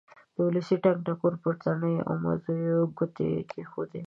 د ولسي ټنګ ټکور پر تڼیو او مزو یې ګوتې کېښودې.